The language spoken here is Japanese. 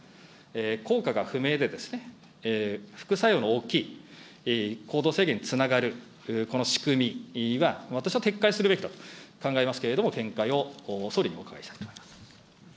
効果が不明で副作用の大きい行動制限につながるこの仕組みは、私は撤回するべきと考えますけれども、見解を総理にお伺いしたいと思います。